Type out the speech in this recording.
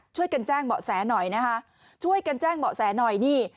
ช่วยกันแจ้งเบาะแสหน่อยนะคะช่วยกันแจ้งเบาะแสหน่อยนี่